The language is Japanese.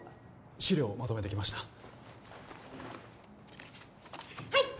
資料をまとめてきましたはい！